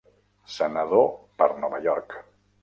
Senador per Nova York.